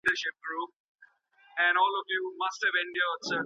ایا بهرني سوداګر کاغذي بادام پلوري؟